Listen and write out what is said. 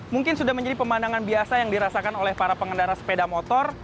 mungkin sudah menjadi pemandangan biasa yang dirasakan oleh para pengendara sepeda motor